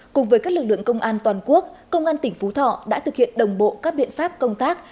cùng với các lực lượng công an toàn quốc công an tỉnh phú thọ đã thực hiện đồng bộ các biện pháp công tác